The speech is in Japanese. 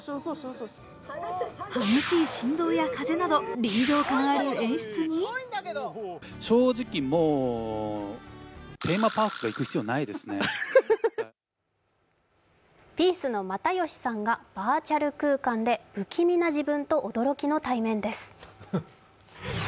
激しい振動や風など、臨場感ある演出にピースの又吉さんがバーチャル空間で不気味な自分と驚きの対面です。